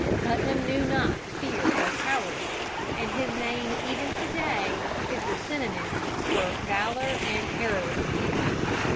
Putnam knew not fear or cowardice, and his name even to day is the synonyme for valor and heroism.